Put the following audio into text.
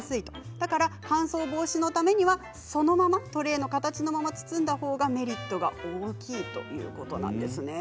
だから乾燥防止のためにはそのままトレーの形のまま包んだほうがメリットが大きいということなんですね。